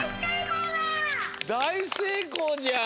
だいせいこうじゃん！